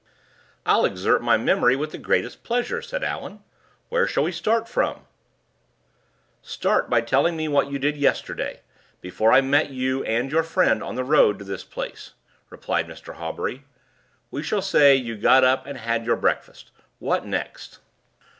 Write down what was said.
"I'll exert my memory with the greatest pleasure," said Allan. "Where shall we start from?" "Start by telling me what you did yesterday, before I met you and your friend on the road to this place," replied Mr. Hawbury. "We will say, you got up and had your breakfast. What next?"